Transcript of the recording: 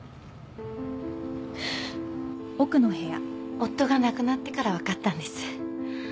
夫が亡くなってから分かったんです。